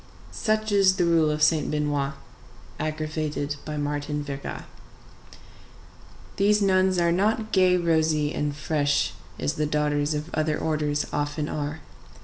Such is the rule of Saint Benoît, aggravated by Martin Verga. These nuns are not gay, rosy, and fresh, as the daughters of other orders often are.